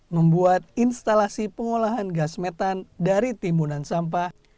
membuat instalasi pengolahan gas metan dari timbunan sampah